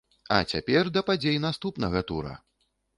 А цяпер да падзей наступнага тура!